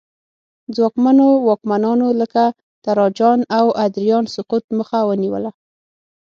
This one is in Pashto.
ځواکمنو واکمنانو لکه تراجان او ادریان سقوط مخه ونیوله